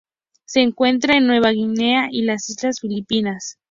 Se encuentra en Nueva Guinea y las islas Filipinas.